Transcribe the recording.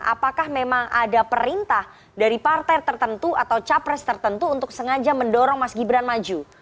apakah memang ada perintah dari partai tertentu atau capres tertentu untuk sengaja mendorong mas gibran maju